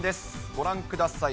ご覧ください。